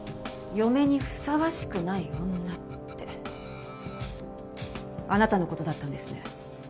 嫁にふさわしくない女ってあなたの事だったんですね。